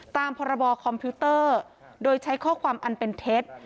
ตามพรบคอมพิวเตอร์โดยใช้ข้อความอันเป็นเท็จ